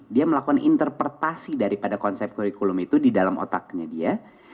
dia melakukan interpretasi daripada konsep kurikulum itu di dalam otaknya dia